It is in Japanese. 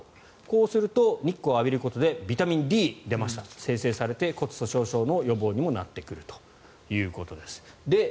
こうすると日光を浴びることでビタミンＤが生成されて骨粗しょう症の予防にもなってくるということです。